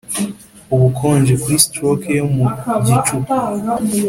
ubukonje, kuri stroke yo mu gicuku,